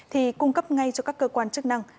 thì cung cấp ngay cho các cơ quan chức năng